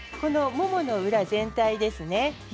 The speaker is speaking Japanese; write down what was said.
ももの裏全体ですね。